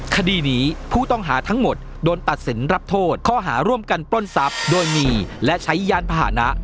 คดีนี้ผู้ต้องหาทั้งหมดโดนตัดสินรับโทษข้อหาร่วมกันปล้นทรัพย์โดยมีและใช้ยานพาหนะ